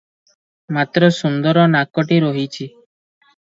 ମାତ୍ର ସୁନ୍ଦର ନାକଟି ରହିଚି ।